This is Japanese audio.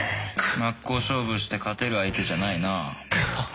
真っ向勝負して勝てる相手じゃないな。がはっ。